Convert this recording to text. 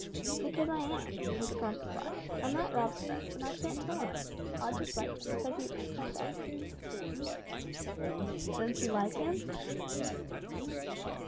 "Because I am," was the prompt reply; "I'm not Rob's friend and I shan't tell him I am. I just write to him because you do, that's all." "Don't you like him?"